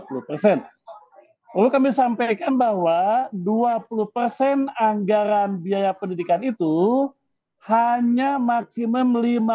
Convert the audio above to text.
perlu kami sampaikan bahwa dua puluh persen anggaran biaya pendidikan itu hanya maksimum